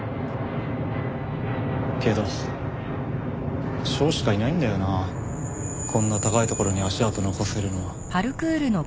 けど翔しかいないんだよなこんな高い所に足跡残せるのは。